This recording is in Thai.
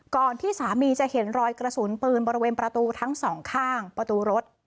ที่สามีจะเห็นรอยกระสุนปืนบริเวณประตูทั้งสองข้างประตูรถ